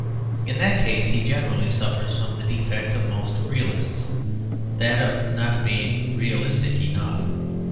In that case he generally suffers from the defect of most realists; that of not being realistic enough.